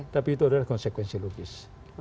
tapi itu adalah konsekuensi logis